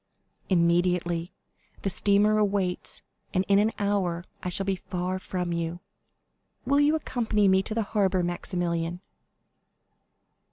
"Immediately; the steamer waits, and in an hour I shall be far from you. Will you accompany me to the harbor, Maximilian?"